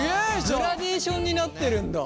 グラデーションになってるんだ。